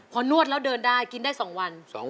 พอนวดแล้วเดินได้กินได้๒วัน